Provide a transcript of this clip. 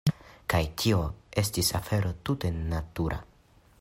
Kaj tio estis afero tute natura.